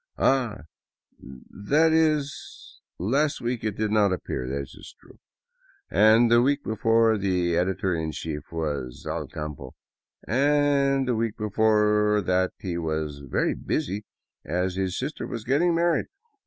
Ah — that is, last week it did not appear, it is true ; and the week before the editor in chief was al campo, and the week be fore that he was very busy, as his sister was getting married.